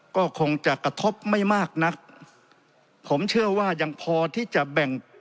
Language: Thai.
ก็คงจะกระทบไม่มากนักผมเชื่อว่ายังพอที่จะแบ่ง